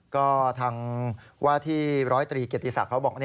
ก็ทางว่าที่๑๐๓เกี่ยติศัพท์เขาบอก